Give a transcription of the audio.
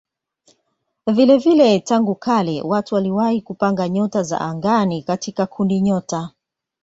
Vilevile tangu kale watu waliwahi kupanga nyota za angani katika kundinyota.